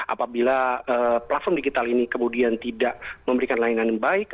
apabila platform digital ini kemudian tidak memberikan layanan yang baik